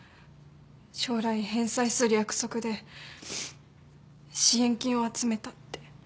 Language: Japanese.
将来返済する約束で支援金を集めたって。